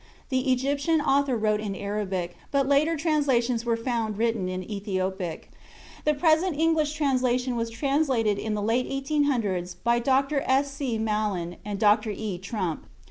The Egyptian author wrote in Arabic, but later translations were found written in Ethiopic. The present English translation was translated in the late 1800's by Dr. S. C. Malan and Dr. E. Trumpp.